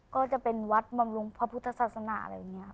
ก็จะเป็นวัดบำรุงพระพุทธศาสนาอะไรอย่างนี้ครับ